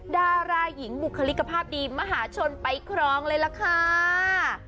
ดาราหญิงบุคลิกภาพดีมหาชนไปครองเลยล่ะค่ะ